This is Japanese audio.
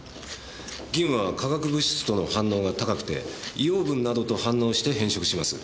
銀は化学物質との反応が高くて硫黄分などと反応して変色します。